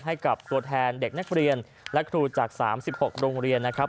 ให้กับตัวแทนเด็กนักเรียนและครูจาก๓๖โรงเรียนนะครับ